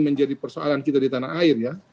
menjadi persoalan kita di tanah air ya